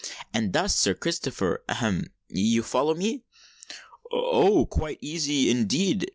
And thus, Sir Christopher——ahem!—you follow me?" "Oh! quite easy—indeed!"